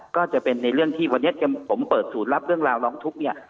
ก็จะเป็นในเรื่องที่วันนี้ผมเปิดศูนย์รับเรื่องราวร้องทุกข์เนี่ย